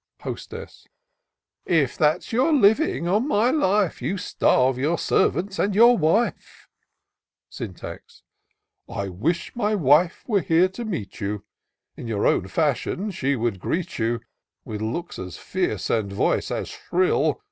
Hostess. *'If that's your living, on my life. You starve your servants and your wife." Syntax. " I wish my wife were here to meet you, In your own fashion she would greet you : With looks as fierce, and voice as shrill.